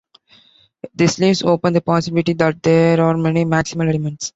This leaves open the possibility that there are many maximal elements.